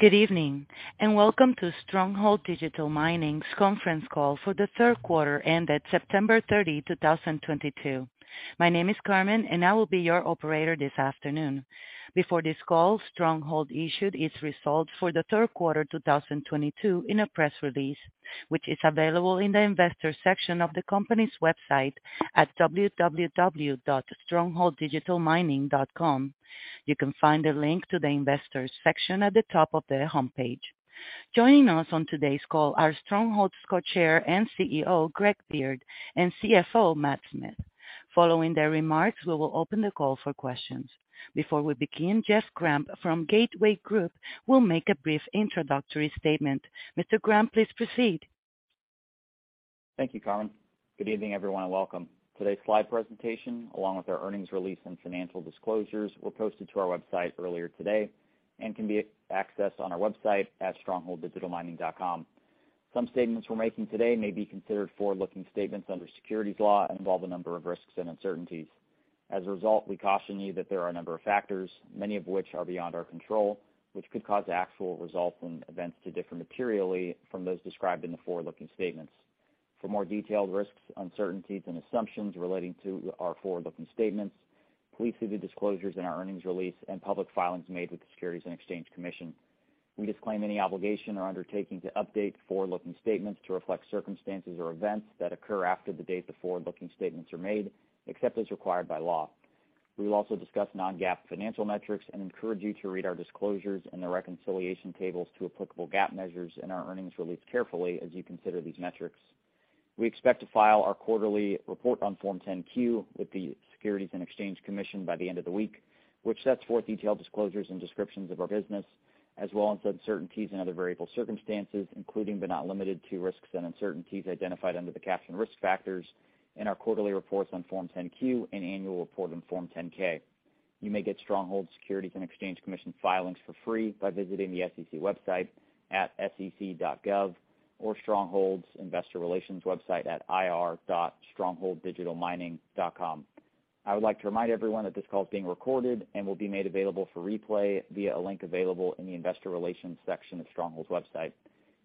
Good evening, and welcome to Stronghold Digital Mining's conference call for the third quarter ended September 30, 2022. My name is Carmen, and I will be your operator this afternoon. Before this call, Stronghold issued its results for the third quarter 2022 in a press release, which is available in the investor section of the company's website at www.strongholddigitalmining.com. You can find a link to the investors section at the top of their homepage. Joining us on today's call are Stronghold's Co-Chair and CEO, Greg Beard, and CFO, Matthew Smith. Following their remarks, we will open the call for questions. Before we begin, Jeff Grampp from Gateway Group will make a brief introductory statement. Mr. Grampp, please proceed. Thank you, Carmen. Good evening, everyone, and welcome. Today's slide presentation, along with our earnings release and financial disclosures, were posted to our website earlier today and can be accessed on our website at strongholddigitalmining.com. Some statements we're making today may be considered forward-looking statements under securities law and involve a number of risks and uncertainties. As a result, we caution you that there are a number of factors, many of which are beyond our control, which could cause actual results and events to differ materially from those described in the forward-looking statements. For more detailed risks, uncertainties, and assumptions relating to our forward-looking statements, please see the disclosures in our earnings release and public filings made with the Securities and Exchange Commission. We disclaim any obligation or undertaking to update forward-looking statements to reflect circumstances or events that occur after the date the forward-looking statements are made, except as required by law. We will also discuss non-GAAP financial metrics and encourage you to read our disclosures and the reconciliation tables to applicable GAAP measures in our earnings release carefully as you consider these metrics. We expect to file our quarterly report on Form 10-Q with the Securities and Exchange Commission by the end of the week, which sets forth detailed disclosures and descriptions of our business, as well as uncertainties and other variable circumstances, including but not limited to risks and uncertainties identified under the caption Risk Factors in our quarterly reports on Form 10-Q and annual report on Form 10-K. You may get Stronghold Securities and Exchange Commission filings for free by visiting the SEC website at sec.gov or Stronghold's investor relations website at ir.strongholddigitalmining.com. I would like to remind everyone that this call is being recorded and will be made available for replay via a link available in the investor relations section of Stronghold's website.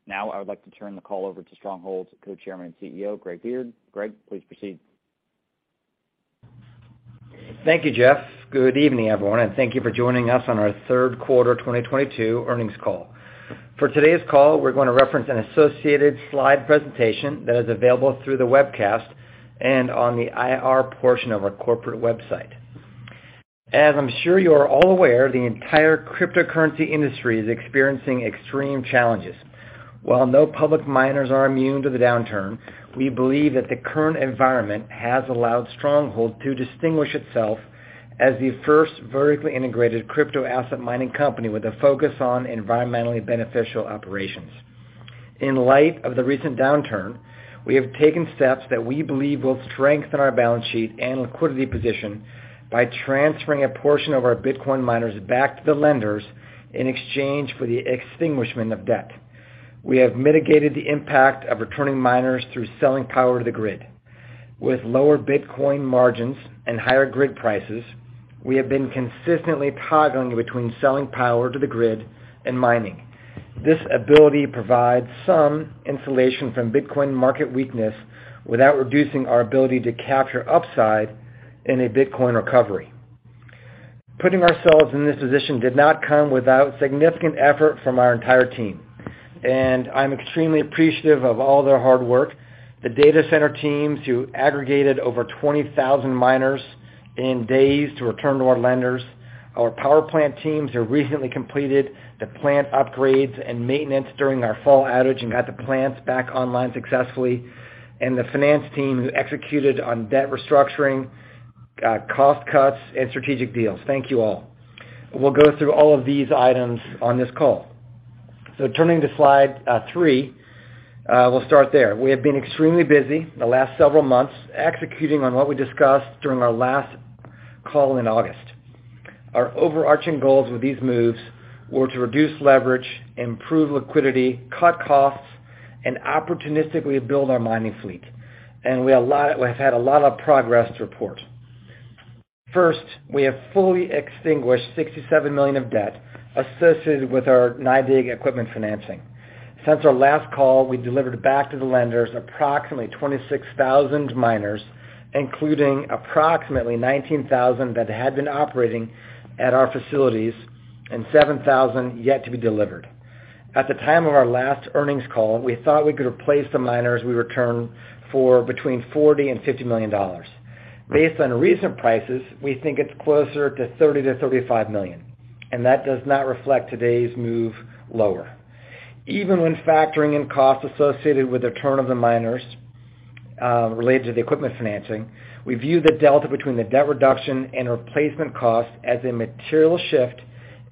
Now, I would like to turn the call over to Stronghold's Co-Chairman and CEO, Greg Beard. Greg, please proceed. Thank you, Jeff. Good evening, everyone, and thank you for joining us on our third quarter 2022 earnings call. For today's call, we're gonna reference an associated slide presentation that is available through the webcast and on the IR portion of our corporate website. As I'm sure you are all aware, the entire cryptocurrency industry is experiencing extreme challenges. While no public miners are immune to the downturn, we believe that the current environment has allowed Stronghold to distinguish itself as the first vertically integrated crypto asset mining company with a focus on environmentally beneficial operations. In light of the recent downturn, we have taken steps that we believe will strengthen our balance sheet and liquidity position by transferring a portion of our Bitcoin miners back to the lenders in exchange for the extinguishment of debt. We have mitigated the impact of returning miners through selling power to the grid. With lower Bitcoin margins and higher grid prices, we have been consistently toggling between selling power to the grid and mining. This ability provides some insulation from Bitcoin market weakness without reducing our ability to capture upside in a Bitcoin recovery. Putting ourselves in this position did not come without significant effort from our entire team, and I'm extremely appreciative of all their hard work. The data center teams who aggregated over 20,000 miners in days to return to our lenders. Our power plant teams have recently completed the plant upgrades and maintenance during our fall outage and got the plants back online successfully. The finance team who executed on debt restructuring, cost cuts, and strategic deals. Thank you all. We'll go through all of these items on this call. Turning to slide three, we'll start there. We have been extremely busy the last several months executing on what we discussed during our last call in August. Our overarching goals with these moves were to reduce leverage, improve liquidity, cut costs, and opportunistically build our mining fleet. We have had a lot of progress to report. First, we have fully extinguished $67 million of debt associated with our NYDIG equipment financing. Since our last call, we delivered back to the lenders approximately 26,000 miners, including approximately 19,000 that had been operating at our facilities and 7,000 yet to be delivered. At the time of our last earnings call, we thought we could replace the miners we returned for between $40 million and $50 million. Based on recent prices, we think it's closer to $30-$35 million, and that does not reflect today's move lower. Even when factoring in costs associated with the return of the miners, related to the equipment financing, we view the delta between the debt reduction and replacement costs as a material shift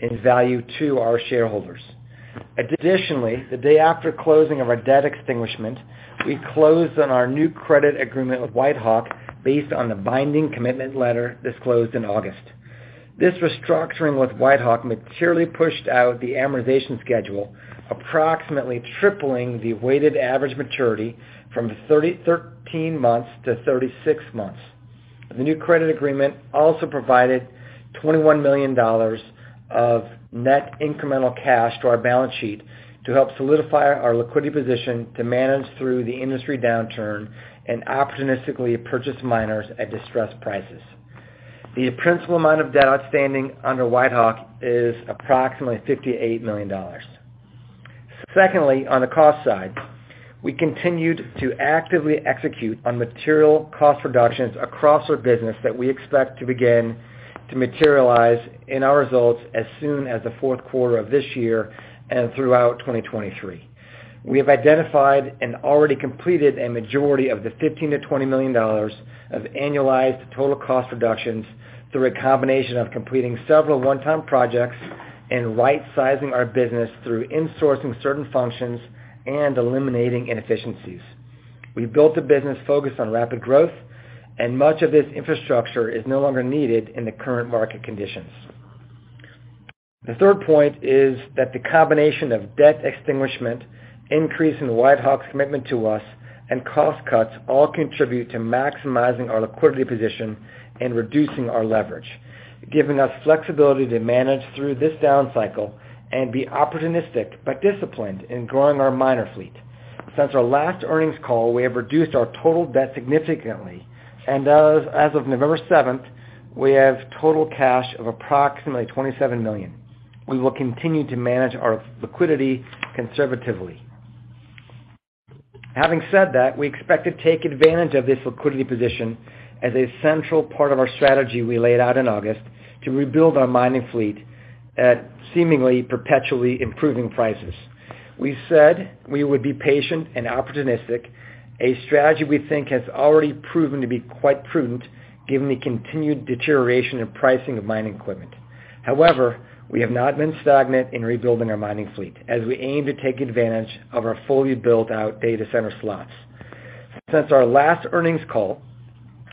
in value to our shareholders. Additionally, the day after closing of our debt extinguishment, we closed on our new credit agreement with WhiteHawk based on the binding commitment letter disclosed in August. This restructuring with WhiteHawk materially pushed out the amortization schedule, approximately tripling the weighted average maturity from 13 months to 36 months. The new credit agreement also provided $21 million of net incremental cash to our balance sheet to help solidify our liquidity position to manage through the industry downturn and opportunistically purchase miners at distressed prices. The principal amount of debt outstanding under WhiteHawk is approximately $58 million. Secondly, on the cost side, we continued to actively execute on material cost reductions across our business that we expect to begin to materialize in our results as soon as the fourth quarter of this year and throughout 2023. We have identified and already completed a majority of the $15 million-$20 million of annualized total cost reductions through a combination of completing several one-time projects and rightsizing our business through insourcing certain functions and eliminating inefficiencies. We built a business focused on rapid growth and much of this infrastructure is no longer needed in the current market conditions. The third point is that the combination of debt extinguishment, increase in WhiteHawk's commitment to us, and cost cuts all contribute to maximizing our liquidity position and reducing our leverage, giving us flexibility to manage through this down cycle and be opportunistic, but disciplined in growing our miner fleet. Since our last earnings call, we have reduced our total debt significantly, and as of November 7th, we have total cash of approximately $27 million. We will continue to manage our liquidity conservatively. Having said that, we expect to take advantage of this liquidity position as a central part of our strategy we laid out in August to rebuild our mining fleet at seemingly perpetually improving prices. We said we would be patient and opportunistic, a strategy we think has already proven to be quite prudent given the continued deterioration in pricing of mining equipment. However, we have not been stagnant in rebuilding our mining fleet as we aim to take advantage of our fully built-out data center slots. Since our last earnings call,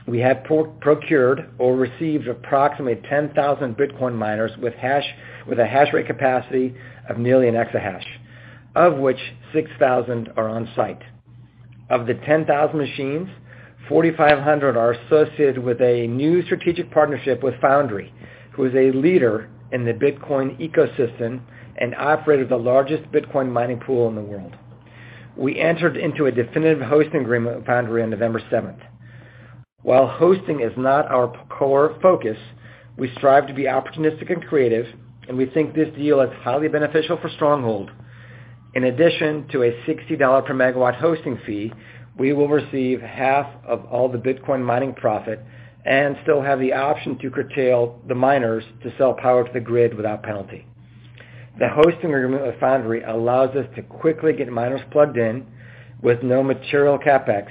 we have procured or received approximately 10,000 Bitcoin miners with a hash rate capacity of nearly an exahash, of which 6,000 are on-site. Of the 10,000 machines, 4,500 are associated with a new strategic partnership with Foundry, who is a leader in the Bitcoin ecosystem and operator of the largest Bitcoin mining pool in the world. We entered into a definitive hosting agreement with Foundry on November 7. While hosting is not our core focus, we strive to be opportunistic and creative, and we think this deal is highly beneficial for Stronghold. In addition to a $60 per MW hosting fee, we will receive half of all the Bitcoin mining profit and still have the option to curtail the miners to sell power to the grid without penalty. The hosting agreement with Foundry allows us to quickly get miners plugged in with no material CapEx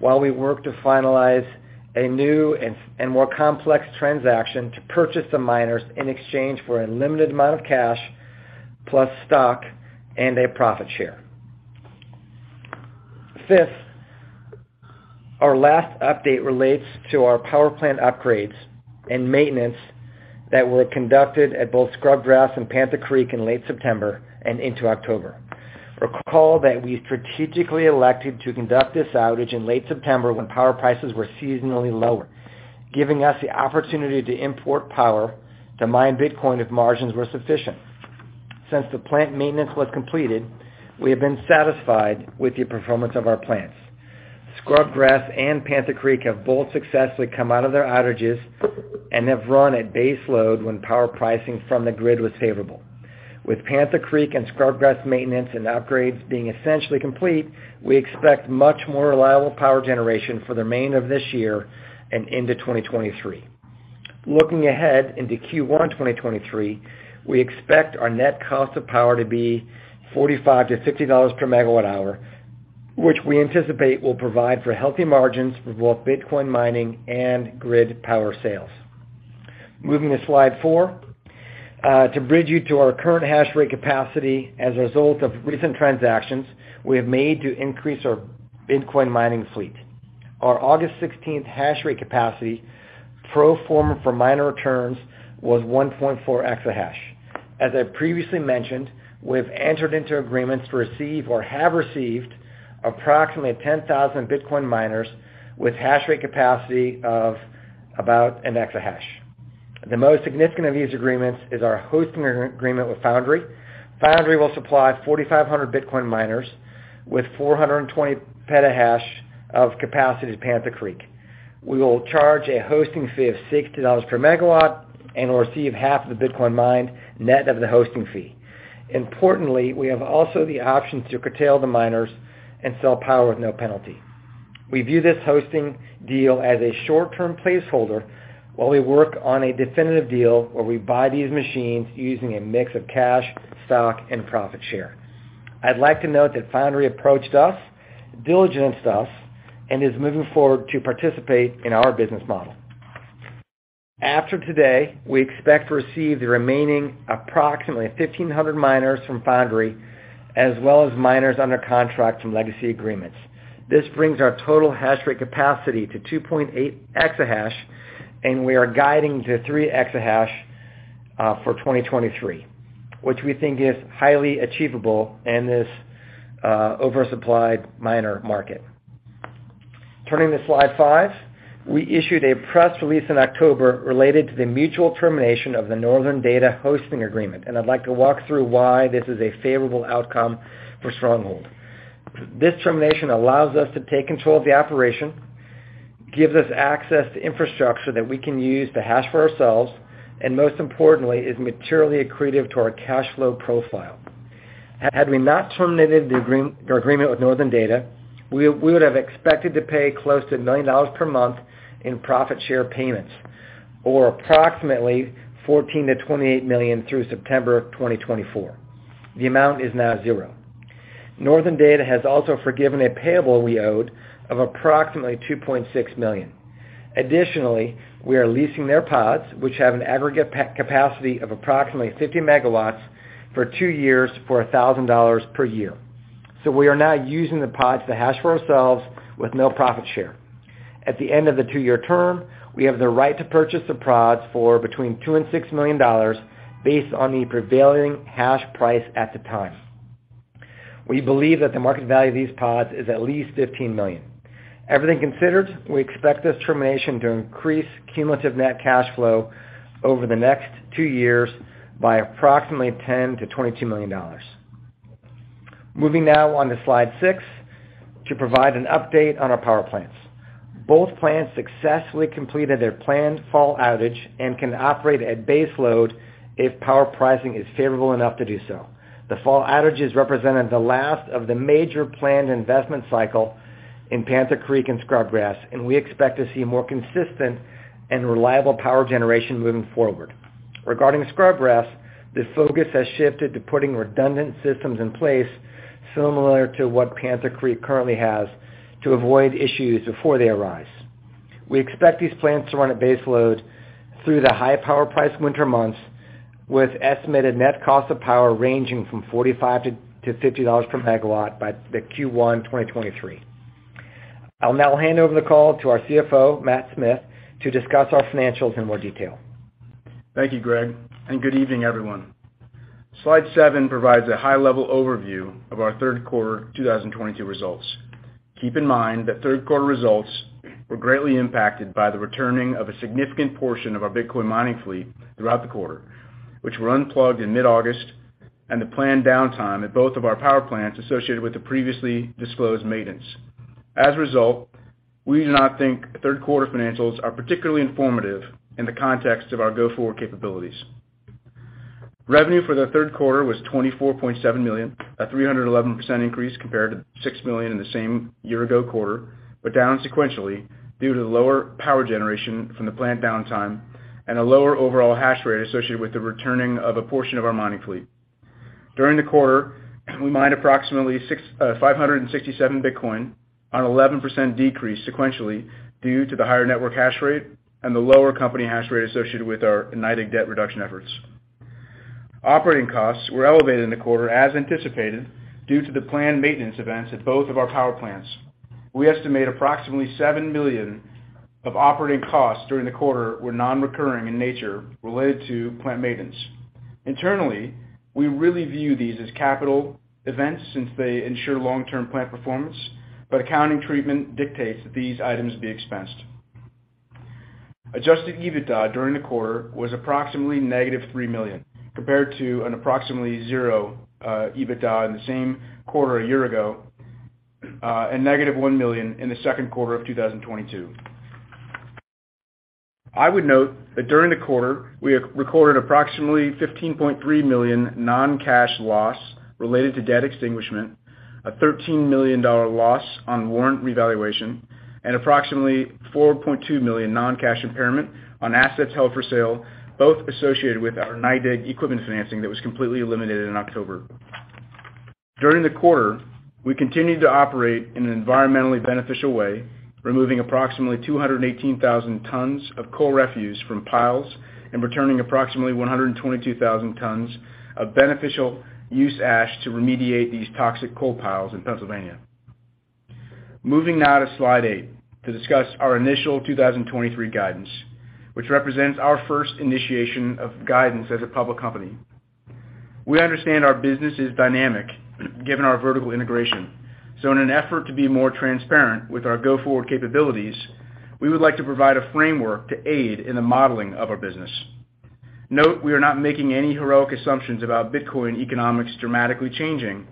while we work to finalize a new and more complex transaction to purchase the miners in exchange for a limited amount of cash, plus stock and a profit share. Fifth, our last update relates to our power plant upgrades and maintenance that were conducted at both Scrub Grass and Panther Creek in late September and into October. Recall that we strategically elected to conduct this outage in late September when power prices were seasonally lower, giving us the opportunity to import power to mine Bitcoin if margins were sufficient. Since the plant maintenance was completed, we have been satisfied with the performance of our plants. Scrub Grass and Panther Creek have both successfully come out of their outages and have run at base load when power pricing from the grid was favorable. With Panther Creek and Scrub Grass maintenance and upgrades being essentially complete, we expect much more reliable power generation for the remainder of this year and into 2023. Looking ahead into Q1 2023, we expect our net cost of power to be $45-$50 per MWh, which we anticipate will provide for healthy margins for both Bitcoin mining and grid power sales. Moving to slide four to bridge you to our current hash rate capacity as a result of recent transactions we have made to increase our Bitcoin mining fleet. Our August 16 hash rate capacity pro forma for miner returns was 1.4 exahash. As I previously mentioned, we've entered into agreements to receive or have received approximately 10,000 Bitcoin miners with hash rate capacity of about 1 exahash. The most significant of these agreements is our hosting agreement with Foundry. Foundry will supply 4,500 Bitcoin miners with 420 petahash of capacity to Panther Creek. We will charge a hosting fee of $60 per MW and will receive half of the Bitcoin mined net of the hosting fee. Importantly, we have also the option to curtail the miners and sell power with no penalty. We view this hosting deal as a short-term placeholder while we work on a definitive deal where we buy these machines using a mix of cash, stock and profit share. I'd like to note that Foundry approached us, diligenced us, and is moving forward to participate in our business model. After today, we expect to receive the remaining approximately 1,500 miners from Foundry, as well as miners under contract from legacy agreements. This brings our total hash rate capacity to 2.8 exahash, and we are guiding to 3 exahash for 2023, which we think is highly achievable in this oversupplied miner market. Turning to slide five. We issued a press release in October related to the mutual termination of the Northern Data hosting agreement, and I'd like to walk through why this is a favorable outcome for Stronghold. This termination allows us to take control of the operation, gives us access to infrastructure that we can use to hash for ourselves, and most importantly, is materially accretive to our cash flow profile. Had we not terminated the agreement with Northern Data, we would have expected to pay close to $1 million per month in profit share payments or approximately $14 million-$28 million through September of 2024. The amount is now zero. Northern Data has also forgiven a payable we owed of approximately $2.6 million. Additionally, we are leasing their pods, which have an aggregate capacity of approximately 50 MW for two years for $1,000 per year. We are now using the pods to hash for ourselves with no profit share. At the end of the two-year term, we have the right to purchase the pods for $2 million-$6 million based on the prevailing hash price at the time. We believe that the market value of these pods is at least $15 million. Everything considered, we expect this termination to increase cumulative net cash flow over the next two years by approximately $10 million-$22 million. Moving now on to slide six to provide an update on our power plants. Both plants successfully completed their planned fall outage and can operate at base load if power pricing is favorable enough to do so. The fall outages represented the last of the major planned investment cycle in Panther Creek and Scrub Grass, and we expect to see more consistent and reliable power generation moving forward. Regarding Scrub Grass, the focus has shifted to putting redundant systems in place similar to what Panther Creek currently has to avoid issues before they arise. We expect these plants to run at base load through the high-power price winter months, with estimated net cost of power ranging from $45-$50 per MW by Q1 2023. I'll now hand over the call to our CFO, Matt Smith, to discuss our financials in more detail. Thank you, Greg, and good evening, everyone. Slide seven provides a high-level overview of our third quarter 2022 results. Keep in mind that third quarter results were greatly impacted by the returning of a significant portion of our Bitcoin mining fleet throughout the quarter, which were unplugged in mid-August, and the planned downtime at both of our power plants associated with the previously disclosed maintenance. As a result, we do not think third quarter financials are particularly informative in the context of our go-forward capabilities. Revenue for the third quarter was $24.7 million, a 311% increase compared to $6 million in the same year-ago quarter, but down sequentially due to the lower power generation from the plant downtime and a lower overall hash rate associated with the returning of a portion of our mining fleet. During the quarter, we mined approximately 656 Bitcoin, an 11% decrease sequentially due to the higher network hash rate and the lower company hash rate associated with our NYDIG debt reduction efforts. Operating costs were elevated in the quarter as anticipated due to the planned maintenance events at both of our power plants. We estimate approximately $7 million of operating costs during the quarter were non-recurring in nature related to plant maintenance. Internally, we really view these as capital events since they ensure long-term plant performance, but accounting treatment dictates that these items be expensed. Adjusted EBITDA during the quarter was approximately -$3 million, compared to approximately zero EBITDA in the same quarter a year ago and negative $1 million in the second quarter of 2022. I would note that during the quarter, we have recorded approximately $15.3 million non-cash loss related to debt extinguishment, a $13 million loss on warrant revaluation, and approximately $4.2 million non-cash impairment on assets held for sale, both associated with our NYDIG equipment financing that was completely eliminated in October. During the quarter, we continued to operate in an environmentally beneficial way, removing approximately 218,000 tons of coal refuse from piles and returning approximately 122,000 tons of beneficial use ash to remediate these toxic coal piles in Pennsylvania. Moving now to slide eight to discuss our initial 2023 guidance, which represents our first initiation of guidance as a public company. We understand our business is dynamic given our vertical integration. In an effort to be more transparent with our go-forward capabilities, we would like to provide a framework to aid in the modeling of our business. Note, we are not making any heroic assumptions about Bitcoin economics dramatically changing,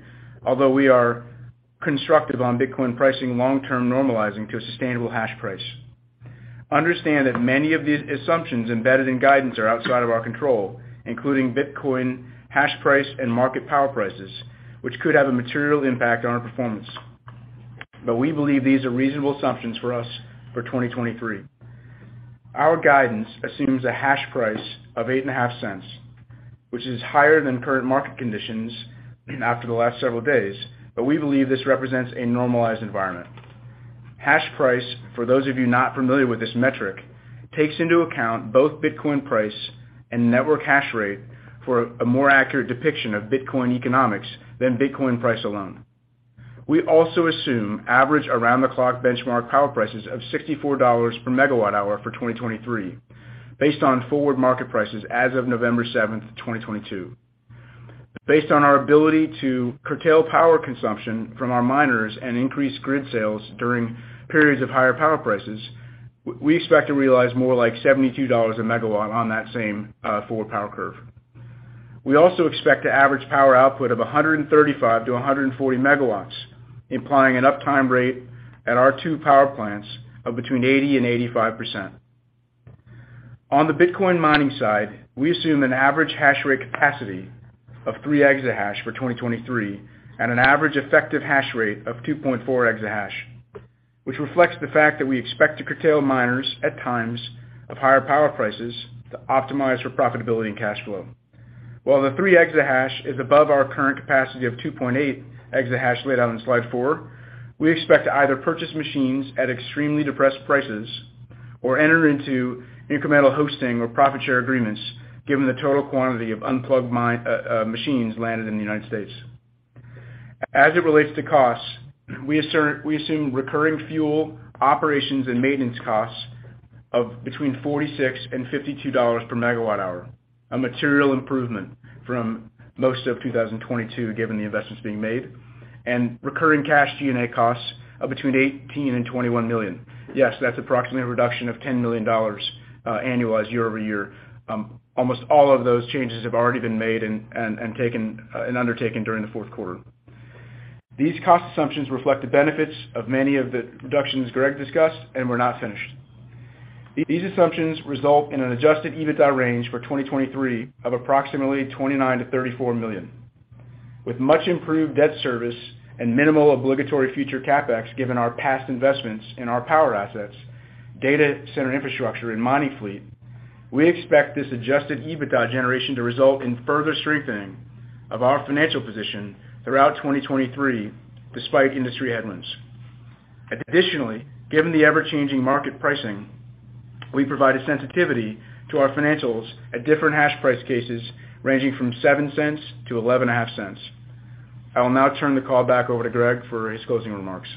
although we are constructive on Bitcoin pricing long-term normalizing to a sustainable hash price. Understand that many of these assumptions embedded in guidance are outside of our control, including Bitcoin hash price and market power prices, which could have a material impact on our performance. We believe these are reasonable assumptions for us for 2023. Our guidance assumes a hash price of $0.085, which is higher than current market conditions after the last several days, but we believe this represents a normalized environment. Hash price, for those of you not familiar with this metric, takes into account both Bitcoin price and network hash rate for a more accurate depiction of Bitcoin economics than Bitcoin price alone. We also assume average around-the-clock benchmark power prices of $64 per MWh for 2023 based on forward market prices as of November 7, 2022. Based on our ability to curtail power consumption from our miners and increase grid sales during periods of higher power prices, we expect to realize more like $72 a MW on that same, forward power curve. We also expect to average power output of 135-140 MW, implying an uptime rate at our two power plants of between 80% and 85%. On the Bitcoin mining side, we assume an average hash rate capacity of 3 exahash for 2023 and an average effective hash rate of 2.4 exahash, which reflects the fact that we expect to curtail miners at times of higher power prices to optimize for profitability and cash flow. While the 3 exahash is above our current capacity of 2.8 exahash laid out in slide four, we expect to either purchase machines at extremely depressed prices or enter into incremental hosting or profit share agreements given the total quantity of unplugged machines landed in the United States. As it relates to costs, we assume recurring fuel operations and maintenance costs of between $46 and $52 per MWh. A material improvement from most of 2022, given the investments being made and recurring cash G&A costs of between $18 million and $21 million. Yes, that's approximately a reduction of $10 million, annualized year-over-year. Almost all of those changes have already been made and taken and undertaken during the fourth quarter. These cost assumptions reflect the benefits of many of the reductions Greg discussed and we're not finished. These assumptions result in an Adjusted EBITDA range for 2023 of approximately $29-$34 million. With much improved debt service and minimal obligatory future CapEx given our past investments in our power assets, data center infrastructure and mining fleet, we expect this Adjusted EBITDA generation to result in further strengthening of our financial position throughout 2023 despite industry headwinds. Additionally, given the ever-changing market pricing, we provide a sensitivity to our financials at different hash price cases ranging from $0.07-$0.115. I will now turn the call back over to Greg for his closing remarks.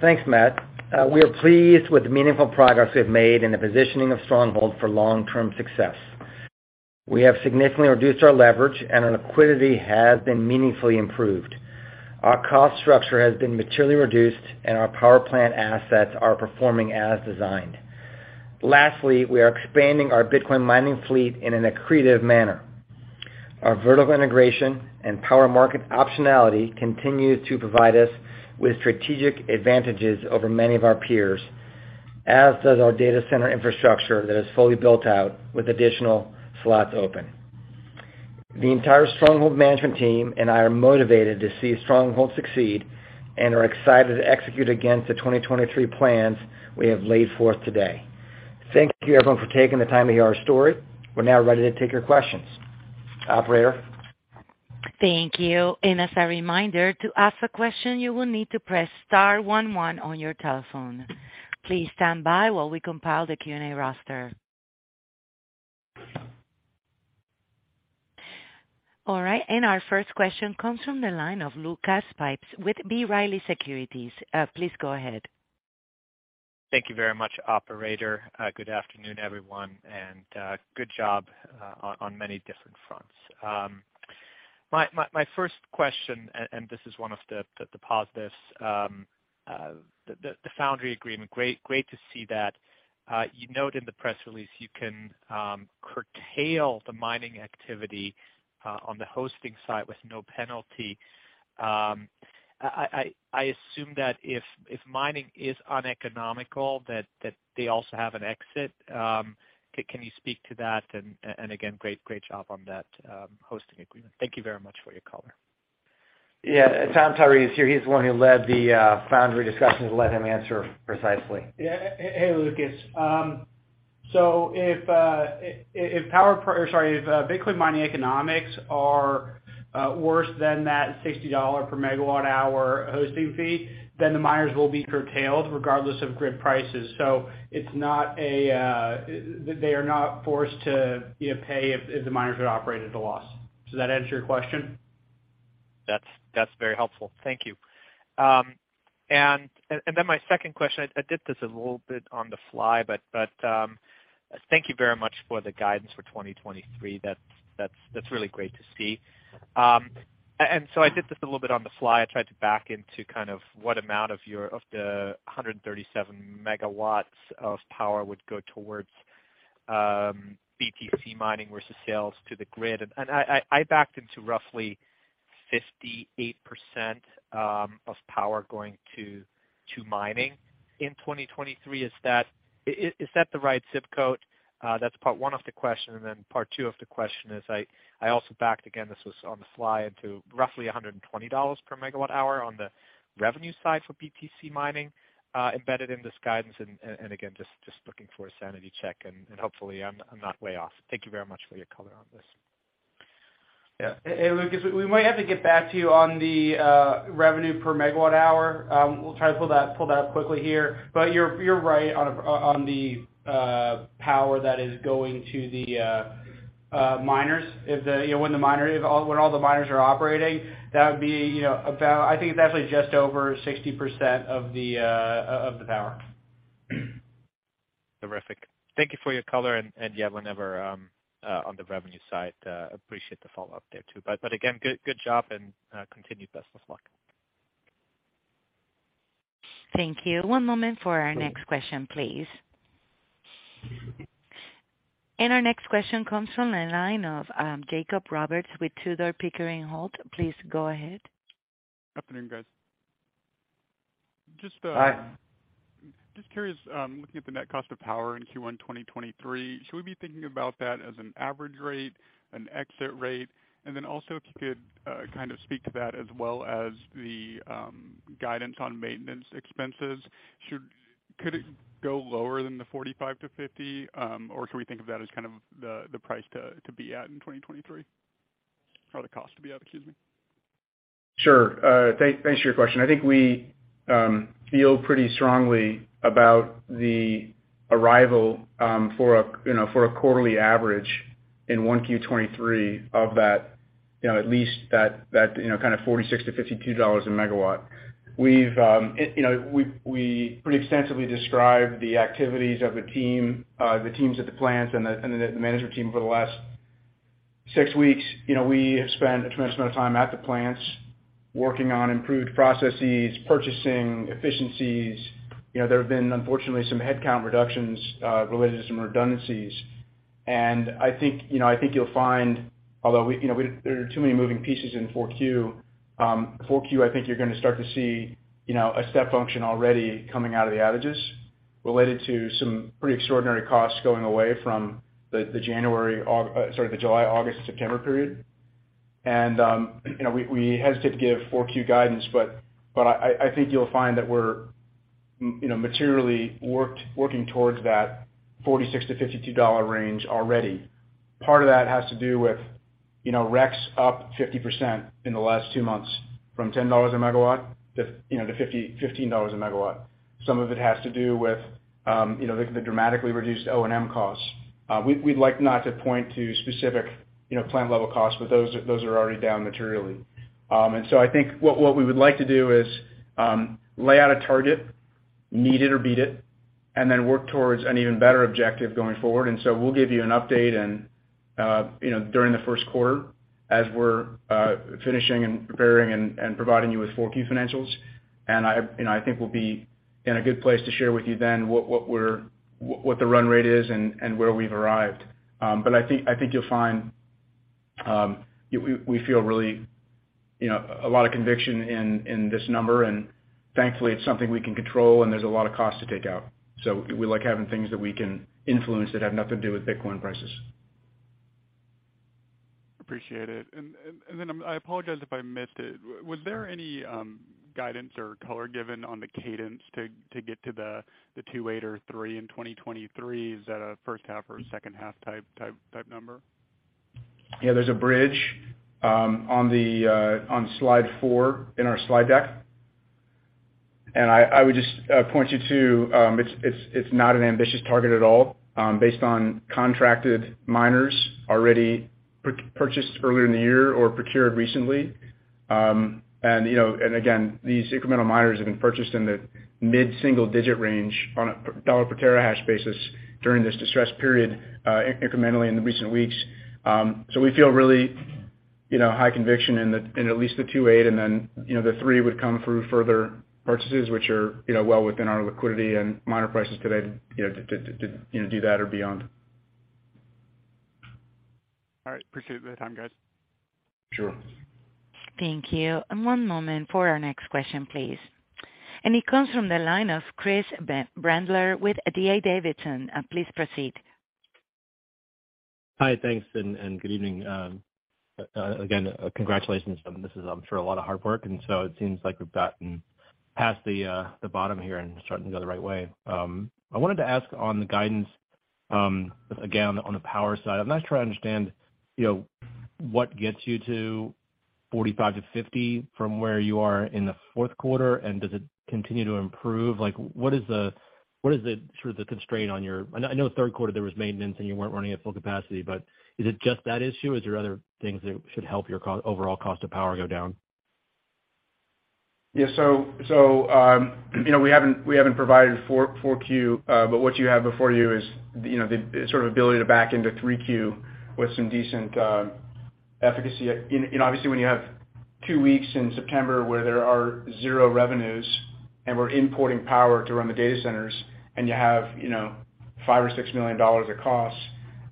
Thanks, Matt. We are pleased with the meaningful progress we've made in the positioning of Stronghold for long-term success. We have significantly reduced our leverage and our liquidity has been meaningfully improved. Our cost structure has been materially reduced and our power plant assets are performing as designed. Lastly, we are expanding our Bitcoin mining fleet in an accretive manner. Our vertical integration and power market optionality continue to provide us with strategic advantages over many of our peers, as does our data center infrastructure that is fully built out with additional slots open. The entire Stronghold management team and I are motivated to see Stronghold succeed and are excited to execute against the 2023 plans we have laid forth today. Thank you everyone for taking the time to hear our story. We're now ready to take your questions. Operator? Thank you. As a reminder, to ask a question, you will need to press star one one on your telephone. Please stand by while we compile the Q&A roster. All right, our first question comes from the line of Lucas Pipes with B. Riley Securities. Please go ahead. Thank you very much, operator. Good afternoon, everyone, and good job on many different fronts. My first question, and this is one of the positives, the Foundry agreement. Great to see that. You note in the press release you can curtail the mining activity on the hosting site with no penalty. I assume that if mining is uneconomical, that they also have an exit. Can you speak to that? Again, great job on that hosting agreement. Thank you very much for your color. Yeah. Thomas Tyree is here. He's the one who led the Foundry discussions. Let him answer precisely. Yeah. Hey, Lucas. If Bitcoin mining economics are worse than that $60 per MWh hosting fee, then the miners will be curtailed regardless of grid prices. It's not a. They are not forced to, you know, pay if the miners are operating at a loss. Does that answer your question? That's very helpful. Thank you. Then my second question, I did this a little bit on the fly, but thank you very much for the guidance for 2023. That's really great to see. So I did this a little bit on the fly. I tried to back into kind of what amount of your 137 MW of power would go towards BTC mining versus sales to the grid. I backed into roughly 58% of power going to mining in 2023. Is that the right ZIP code? That's part one of the question. Part two of the question is I also backed, again, this was on the fly, into roughly $120 per MWh on the revenue side for BTC mining embedded in this guidance. Again, just looking for a sanity check, and hopefully I'm not way off. Thank you very much for your color on this. Hey, Lucas, we might have to get back to you on the revenue per MWh. We'll try to pull that up quickly here. You're right on the power that is going to the miners. If all the miners are operating, that would be, you know, about—I think it's actually just over 60% of the power. Terrific. Thank you for your color. Yeah, whenever on the revenue side, appreciate the follow-up there too. Again, good job and continued best of luck. Thank you. One moment for our next question, please. Our next question comes from the line of Jake Roberts with Tudor, Pickering, Holt & Co. Please go ahead. Good afternoon, guys. Hi. Just curious, looking at the net cost of power in Q1 2023, should we be thinking about that as an average rate, an exit rate? If you could kind of speak to that as well as the guidance on maintenance expenses. Could it go lower than the $45-$50? Or should we think of that as kind of the price to be at in 2023? Or the cost to be at, excuse me. Sure. Thanks for your question. I think we feel pretty strongly about the arrival for a quarterly average in 1Q 2023 of that you know at least that kind of $46-$52 a MW. We've you know we pretty extensively described the activities of the teams at the plants and the management team over the last six weeks. You know, we have spent a tremendous amount of time at the plants working on improved processes, purchasing efficiencies. You know, there have been, unfortunately, some headcount reductions related to some redundancies. I think you know you'll find, although we you know we there are too many moving pieces in 4Q. 4Q, I think you're gonna start to see, you know, a step function already coming out of the outages related to some pretty extraordinary costs going away from the July, August, September period. We hesitate to give 4Q guidance, but I think you'll find that we're, you know, materially working towards that $46-$52 range already. Part of that has to do with, you know, RECs up 50% in the last two months from $10 a MW to, you know, to $15 a MW. Some of it has to do with, you know, the dramatically reduced O&M costs. We'd like not to point to specific, you know, plant level costs, but those are already down materially. I think what we would like to do is lay out a target, meet it or beat it, and then work towards an even better objective going forward. We'll give you an update and you know, during the first quarter as we're finishing and preparing and providing you with 4Q financials. I think we'll be in a good place to share with you then what the run rate is and where we've arrived. I think you'll find we feel really you know, a lot of conviction in this number, and thankfully it's something we can control, and there's a lot of cost to take out. We like having things that we can influence that have nothing to do with Bitcoin prices. Appreciate it. I apologize if I missed it. Was there any guidance or color given on the cadence to get to the 2.8 or 3 in 2023? Is that a first half or second half type number? Yeah. There's a bridge on slide four in our slide deck. I would just point you to, it's not an ambitious target at all, based on contracted miners already purchased earlier in the year or procured recently. You know, again, these incremental miners have been purchased in the mid-single digit range on a $ per terahash basis during this distressed period, incrementally in the recent weeks. We feel really, you know, high conviction in at least the 28, and then, you know, the 30 would come through further purchases, which are, you know, well within our liquidity and miner prices today to, you know, do that or beyond. All right. Appreciate the time, guys. Sure. Thank you. One moment for our next question, please. It comes from the line of Chris Brendler with D.A. Davidson. Please proceed. Hi. Thanks and good evening. Again, congratulations on this. I'm sure a lot of hard work. It seems like we've gotten past the bottom here and starting to go the right way. I wanted to ask on the guidance, again, on the power side. I'm trying to understand, you know, what gets you to 45-50 from where you are in the fourth quarter, and does it continue to improve? Like, what is the sort of constraint on your? I know third quarter there was maintenance, and you weren't running at full capacity, but is it just that issue? Is there other things that should help your overall cost of power go down? Yeah, you know, we haven't provided Q4, but what you have before you is, you know, the sort of ability to back into Q3 with some decent efficacy. And obviously, when you have two weeks in September where there are zero revenues and we're importing power to run the data centers and you have, you know, $5-$6 million of costs,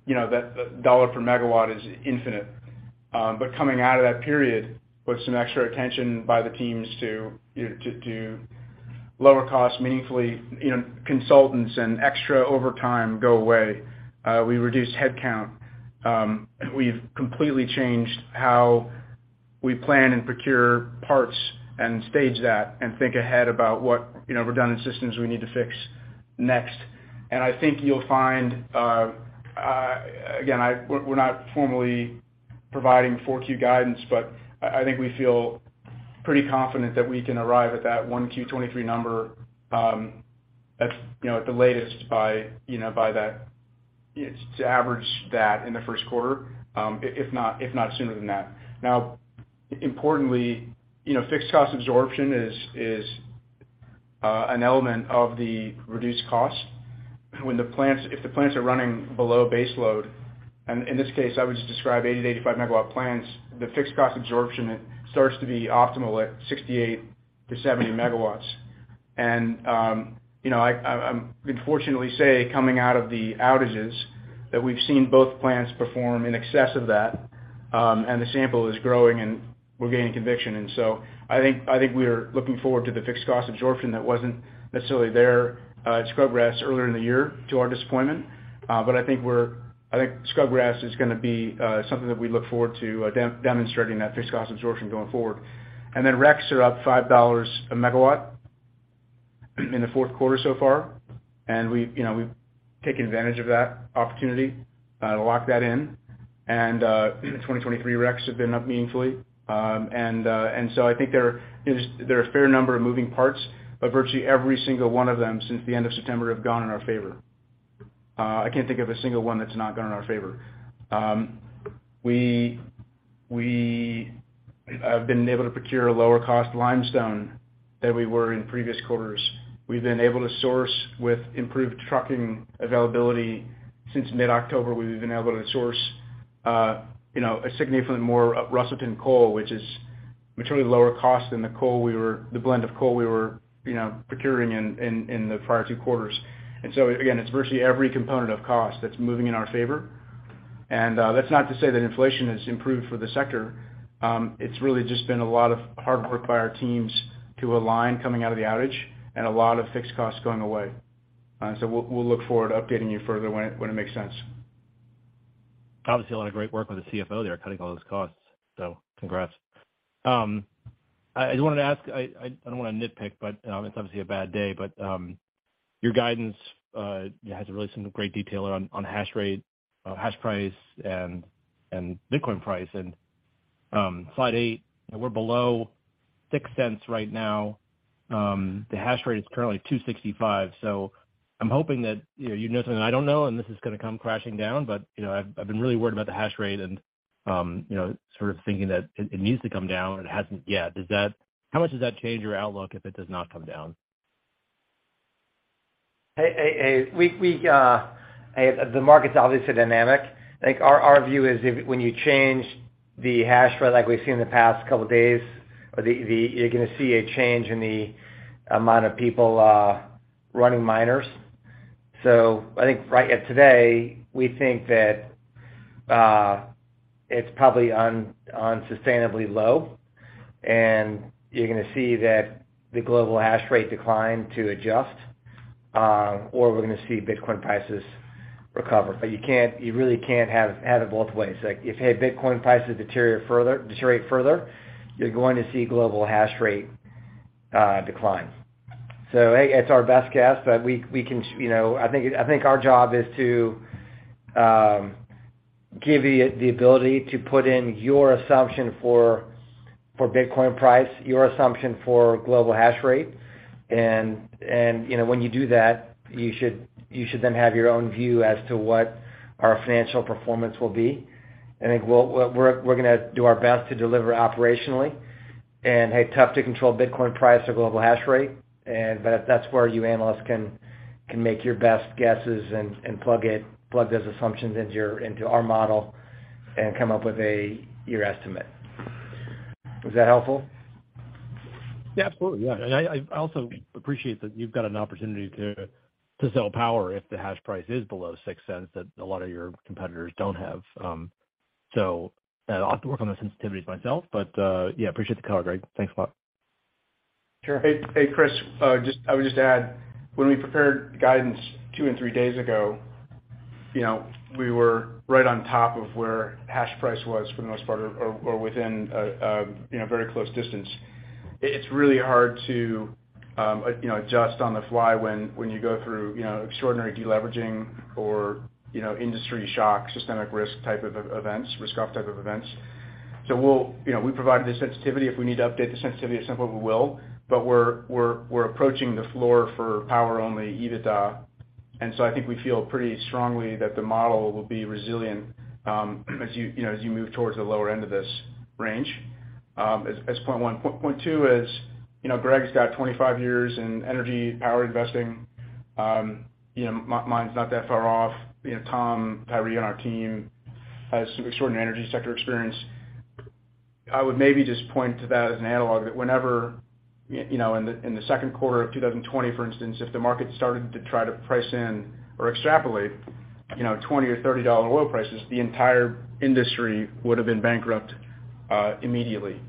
you know, that $1 per MW is infinite. But coming out of that period with some extra attention by the teams to, you know, lower costs meaningfully, you know, consultants and extra overtime go away. We reduced headcount. We've completely changed how we plan and procure parts and stage that and think ahead about what, you know, redundant systems we need to fix next. I think you'll find, again, we're not formally providing 4Q guidance, but I think we feel pretty confident that we can arrive at that 1Q23 number, you know, at the latest by you know by that it's to average that in the first quarter, if not sooner than that. Now, importantly, you know, fixed cost absorption is an element of the reduced cost. If the plants are running below base load, and in this case, I would just describe 80-85 MW plants, the fixed cost absorption starts to be optimal at 68-70 MW. You know, I can fortunately say coming out of the outages that we've seen both plants perform in excess of that, and the sample is growing and we're gaining conviction. I think we're looking forward to the fixed cost absorption that wasn't necessarily there at Scrubgrass earlier in the year, to our disappointment. I think Scrubgrass is gonna be something that we look forward to demonstrating that fixed cost absorption going forward. RECs are up $5 a MW in the fourth quarter so far. We, you know, we've taken advantage of that opportunity to lock that in. 2023 RECs have been up meaningfully. I think there are a fair number of moving parts, but virtually every single one of them since the end of September have gone in our favor. I can't think of a single one that's not gone in our favor. We have been able to procure a lower cost limestone than we were in previous quarters. We've been able to source with improved trucking availability. Since mid-October, we've been able to source, you know, a significant more Russellton coal, which is materially lower cost than the blend of coal we were, you know, procuring in the prior two quarters. So again, it's virtually every component of cost that's moving in our favor. That's not to say that inflation has improved for the sector. It's really just been a lot of hard work by our teams to align coming out of the outage and a lot of fixed costs going away. So we'll look forward to updating you further when it makes sense. Obviously a lot of great work with the CFO there cutting all those costs. Congrats. I just wanted to ask. I don't wanna nitpick, but it's obviously a bad day, but your guidance has really some great detail on hash rate, hash price and Bitcoin price. Slide 8, we're below $0.06 right now. The hash rate is currently 265. I'm hoping that you know something I don't know, and this is gonna come crashing down. You know, I've been really worried about the hash rate and you know, sort of thinking that it needs to come down, and it hasn't yet. How much does that change your outlook if it does not come down? Hey, the market's obviously dynamic. I think our view is if, when you change the hash rate like we've seen in the past couple of days, you're gonna see a change in the amount of people running miners. I think right at today, we think that it's probably unsustainably low, and you're gonna see that the global hash rate decline to adjust, or we're gonna see Bitcoin prices recover. You really can't have it both ways. Like if Bitcoin prices deteriorate further, you're going to see global hash rate decline. It's our best guess, but we can, you know. I think our job is to give you the ability to put in your assumption for Bitcoin price, your assumption for global hash rate. You know, when you do that, you should then have your own view as to what our financial performance will be. We're gonna do our best to deliver operationally. Hey, tough to control Bitcoin price or global hash rate. That's where you analysts can make your best guesses and plug those assumptions into our model and come up with your estimate. Was that helpful? Yeah, absolutely. Yeah. I also appreciate that you've got an opportunity to sell power if the hash price is below $0.06 that a lot of your competitors don't have. I'll have to work on those sensitivities myself, but yeah, appreciate the color, Greg. Thanks a lot. Sure. Hey, Chris, I would just add, when we prepared guidance two and three days ago, you know, we were right on top of where hash price was for the most part or within a, you know, very close distance. It's really hard to, you know, adjust on the fly when you go through, you know, extraordinary deleveraging or, you know, industry shock, systemic risk type of events, risk off type of events. We'll, you know, we provided the sensitivity. If we need to update the sensitivity, it's something we will. But we're approaching the floor for power-only EBITDA. I think we feel pretty strongly that the model will be resilient, as you know, as you move towards the lower end of this range, as point one. Point two is, you know, Greg's got 25 years in energy power investing. You know, mine's not that far off. You know, Tom Tyree on our team has some extraordinary energy sector experience. I would maybe just point to that as an analog that whenever you know in the second quarter of 2020, for instance, if the market started to try to price in or extrapolate, you know, $20 or $30 oil prices, the entire industry would've been bankrupt immediately, you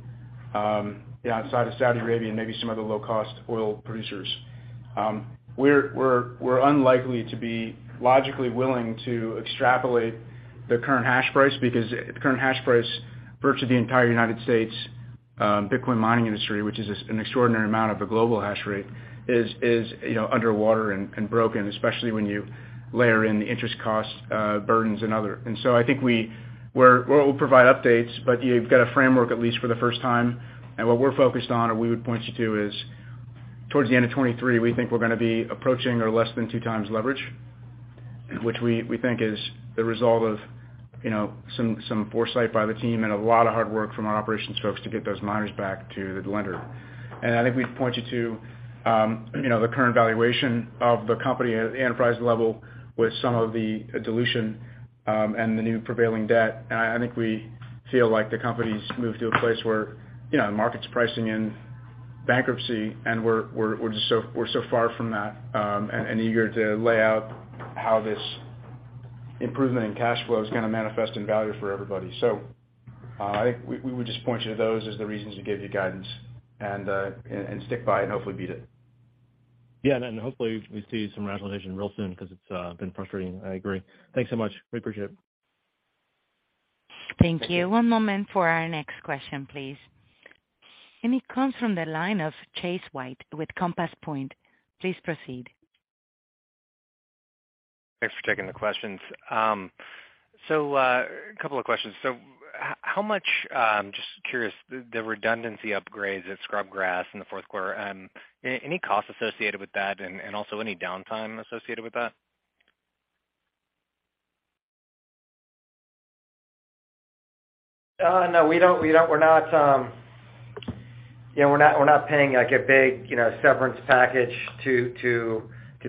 know, outside of Saudi Arabia and maybe some other low-cost oil producers. We're unlikely to be logically willing to extrapolate the current hash price because the current hash price, virtually the entire United States Bitcoin mining industry, which is an extraordinary amount of the global hash rate, is you know, underwater and broken, especially when you layer in the interest costs, burdens and other. I think we'll provide updates, but you've got a framework, at least for the first time. What we're focused on, or we would point you to, is towards the end of 2023, we think we're gonna be approaching or less than 2x leverage, which we think is the result of you know, some foresight by the team and a lot of hard work from our operations folks to get those miners back to the lender. I think we'd point you to, you know, the current valuation of the company at enterprise level with some of the dilution, and the new prevailing debt. I think we feel like the company's moved to a place where, you know, the market's pricing in bankruptcy, and we're so far from that, and eager to lay out how this improvement in cash flow is gonna manifest in value for everybody. I think we would just point you to those as the reasons we gave you guidance and stick by it and hopefully beat it. Yeah. Hopefully we see some rationalization real soon because it's been frustrating. I agree. Thanks so much. We appreciate it. Thank you. Thank you. One moment for our next question, please. It comes from the line of Chase White with Compass Point. Please proceed. Thanks for taking the questions. A couple of questions. How much, just curious, the redundancy upgrades at Scrub Grass in the fourth quarter, any costs associated with that and also any downtime associated with that? No, we don't. We're not paying like a big, you know, severance package to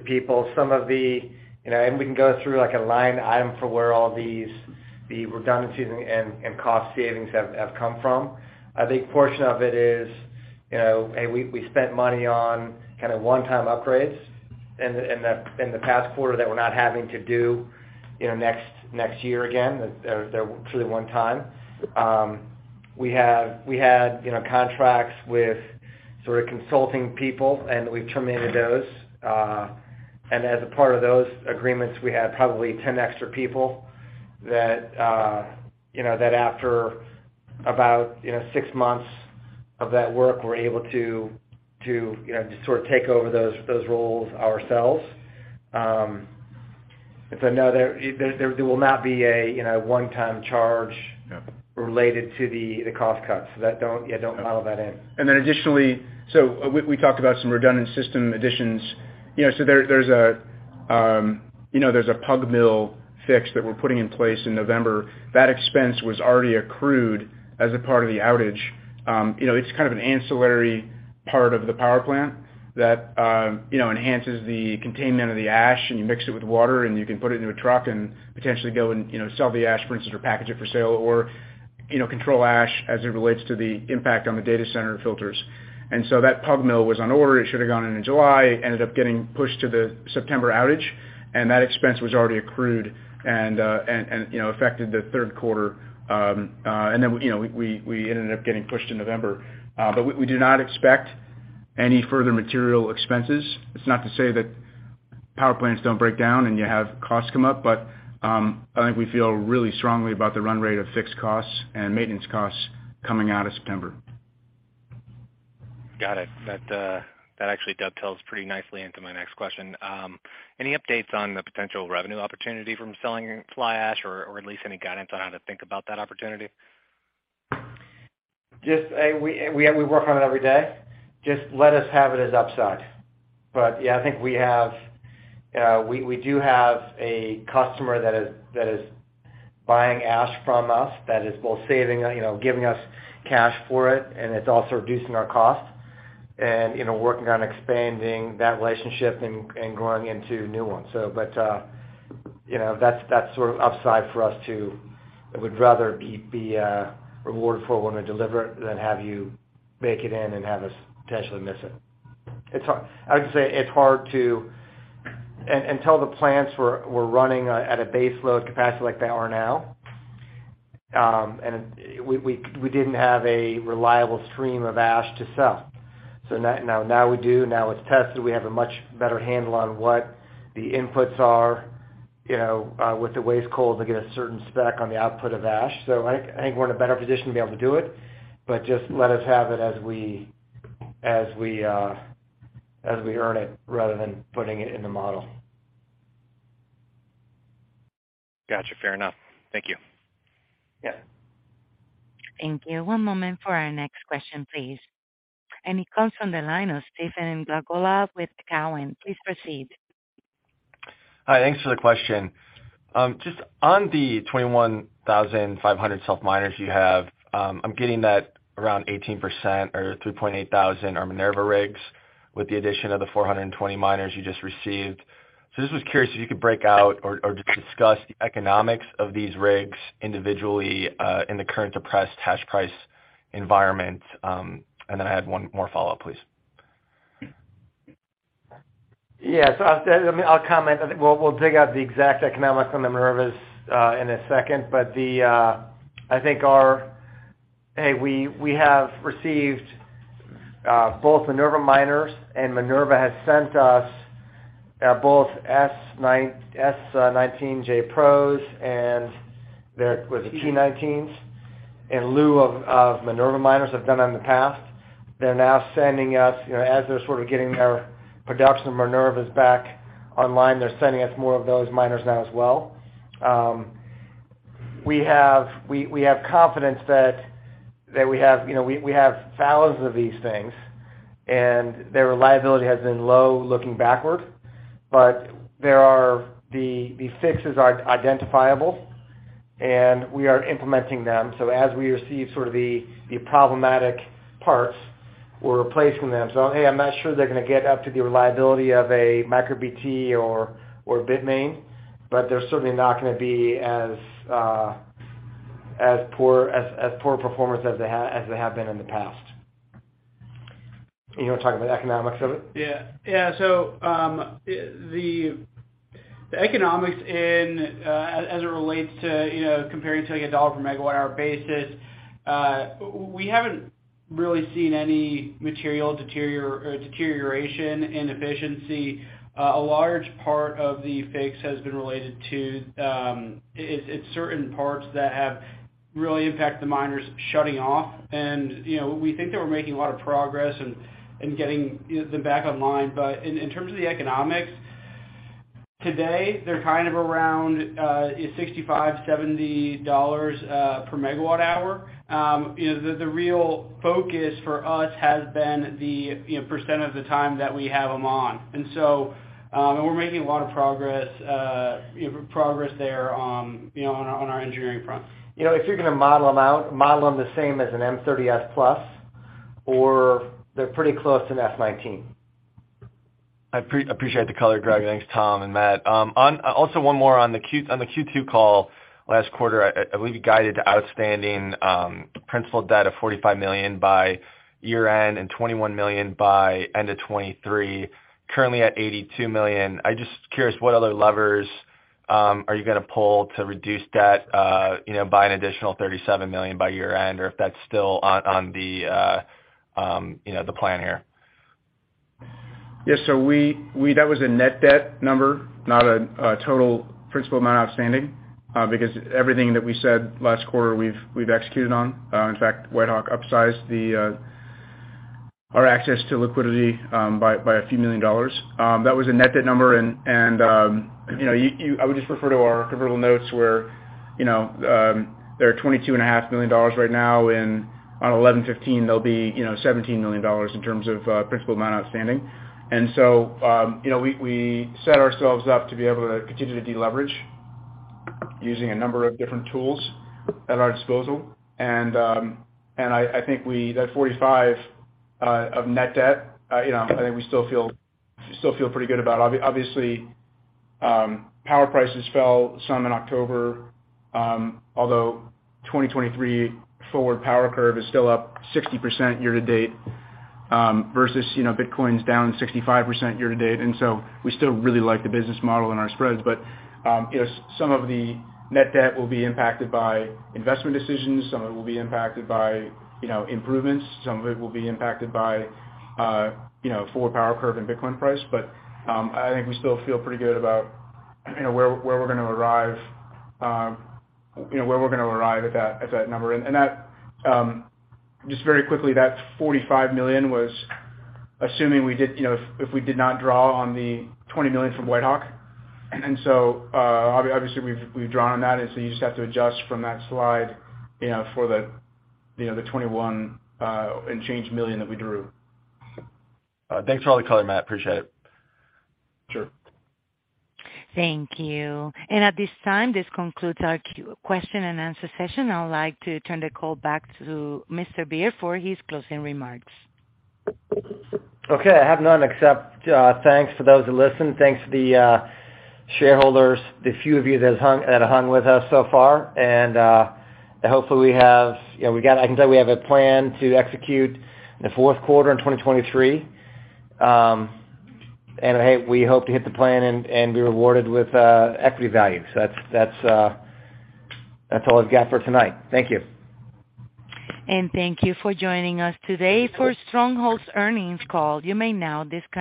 people. Some of the, you know, we can go through like a line item for where all these the redundancies and cost savings have come from. A big portion of it is, you know, hey, we spent money on kind of one-time upgrades in the past quarter that we're not having to do, you know, next year again. They're truly one time. We had, you know, contracts with sort of consulting people, and we've terminated those. As a part of those agreements, we had probably 10 extra people that you know that after about you know six months of that work, we're able to to you know just sort of take over those those roles ourselves. No, there will not be a you know one-time charge. Yeah. related to the cost cuts. Yeah, don't model that in. Okay. We talked about some redundant system additions. You know, there's a pug mill fix that we're putting in place in November. That expense was already accrued as a part of the outage. It's kind of an ancillary part of the power plant that enhances the containment of the ash, and you mix it with water, and you can put it into a truck and potentially go and sell the ash, for instance, or package it for sale or control ash as it relates to the impact on the data center filters. That pug mill was on order. It should have gone in July. Ended up getting pushed to the September outage, and that expense was already accrued and, you know, affected the third quarter. You know, we ended up getting pushed in November. We do not expect any further material expenses. It's not to say that power plants don't break down and you have costs come up, but I think we feel really strongly about the run rate of fixed costs and maintenance costs coming out of September. Got it. That actually dovetails pretty nicely into my next question. Any updates on the potential revenue opportunity from selling fly ash or at least any guidance on how to think about that opportunity? We work on it every day. Just let us have it as upside. But yeah, I think we do have a customer that is buying ash from us that is both saving, you know, giving us cash for it, and it's also reducing our cost and, you know, working on expanding that relationship and growing into new ones. But, you know, that's sort of upside for us. I would rather be rewarded for it when we deliver it than have you bake it in and have us potentially miss it. It's hard. I would say it's hard until the plants were running at a baseload capacity like they are now, and we didn't have a reliable stream of ash to sell. Now we do. Now it's tested. We have a much better handle on what the inputs are, you know, with the waste coal to get a certain spec on the output of ash. I think we're in a better position to be able to do it, but just let us have it as we earn it rather than putting it in the model. Gotcha. Fair enough. Thank you. Yeah. Thank you. One moment for our next question, please. It comes from the line of Stephen Glagola with Cowen. Please proceed. Hi. Thanks for the question. Just on the 21,500 S19 miners you have, I'm getting that around 18% or 3,800 are MinerVa rigs with the addition of the 420 miners you just received. Just was curious if you could break out or just discuss the economics of these rigs individually in the current depressed hash price environment. I had one more follow-up, please. I'll comment. I mean, I'll comment. I think we'll dig out the exact economics on the MinerVas in a second. Hey, we have received both MinerVa miners and MinerVa has sent us both S19j Pros and their T19s. In lieu of MinerVa miners, they've done that in the past. They're now sending us, you know, as they're sort of getting their production of MinerVas back online, they're sending us more of those miners now as well. We have confidence that we have, you know, thousands of these things, and their reliability has been low looking backward. The fixes are identifiable, and we are implementing them. As we receive the problematic parts, we're replacing them. Hey, I'm not sure they're gonna get up to the reliability of a MicroBT or Bitmain, but they're certainly not gonna be as poor performers as they have been in the past. You wanna talk about economics of it? Yeah. Yeah. The economics, as it relates to, you know, comparing to like a dollar per MWh basis, we haven't really seen any material deterioration in efficiency. A large part of the failures has been related to certain parts that have really impacted the miners shutting off. You know, we think that we're making a lot of progress in getting them back online. In terms of the economics, today they're kind of around $65-$70 per MWh. You know, the real focus for us has been the percent of the time that we have them on. We're making a lot of progress there on our engineering front. You know, if you're gonna model them out, model them the same as an M30S+, or they're pretty close to an S19. I appreciate the color, Greg. Thanks, Tom and Matt. Also one more on the Q2 call last quarter, I believe you guided outstanding principal debt of $45 million by year-end and $21 million by end of 2023. Currently at $82 million. I'm just curious, what other levers are you gonna pull to reduce debt by an additional $37 million by year-end, or if that's still on the plan here? Yes. That was a net debt number, not a total principal amount outstanding, because everything that we said last quarter, we've executed on. In fact, WhiteHawk upsized our access to liquidity by a few million dollars. That was a net debt number and you know I would just refer to our convertible notes where you know there are $22.5 million right now, and on 11/15 they'll be you know $17 million in terms of principal amount outstanding. We set ourselves up to be able to continue to deleverage using a number of different tools at our disposal. I think we still feel pretty good about that $45 million of net debt, you know. Obviously, power prices fell some in October, although 2023 forward power curve is still up 60% year to date, versus, you know, Bitcoin's down 65% year to date. We still really like the business model and our spreads. You know, some of the net debt will be impacted by investment decisions, some of it will be impacted by, you know, improvements, some of it will be impacted by, you know, forward power curve and Bitcoin price. I think we still feel pretty good about, you know, where we're gonna arrive at that number. That, just very quickly, that $45 million was assuming we did, you know, if we did not draw on the $20 million from WhiteHawk. Obviously, we've drawn on that, so you just have to adjust from that slide, you know, for the $21 million and change that we drew. Thanks for all the color, Matt. Appreciate it. Sure. Thank you. At this time, this concludes our question and answer session. I would like to turn the call back to Mr. Beard for his closing remarks. Okay. I have none, except thanks to those who listened. Thanks to the shareholders, the few of you that have hung with us so far. Hopefully we have, you know, I can tell you we have a plan to execute in the fourth quarter in 2023. Hey, we hope to hit the plan and be rewarded with equity value. That's all I've got for tonight. Thank you. Thank you for joining us today for Stronghold's earnings call. You may now disconnect.